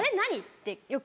ってよく。